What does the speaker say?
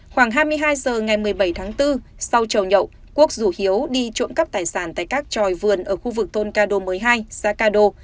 khoảng hai mươi hai giờ ngày một mươi bảy tháng bốn sau trầu nhậu quốc rủ hiếu đi trộm cắp tài sản tại các tròi vườn ở khu vực thôn cado mới hai xã cado